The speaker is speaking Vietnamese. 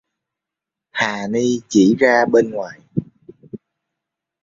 Hà ni chỉ ra bên ngoài